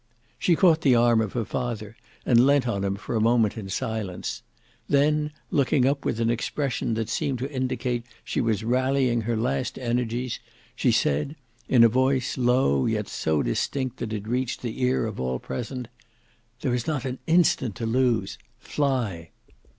She caught the arm of her father, and leant on him for a moment in silence. Then looking up with an expression that seemed to indicate she was rallying her last energies, she said, in a voice low yet so distinct that it reached the ear of all present, "There is not an instant to lose: fly!"